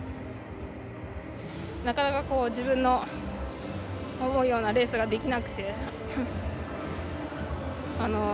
なかなか自分の思うようなレースができなくて。